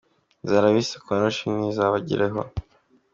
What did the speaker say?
Inzara bise Konoshi ntizabageraho